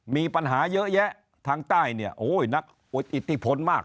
มีปัญหาเยอะแยะทางใต้นักอิทธิพลมาก